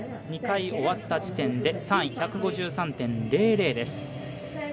２回終わった時点で３位１５３．００です。